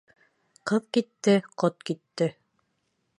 Ҡыҙ китте, ҡот китте.